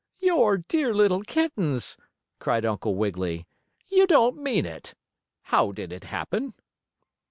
Your dear little kittens!" cried Uncle Wiggily. "You don't mean it! How did it happen?"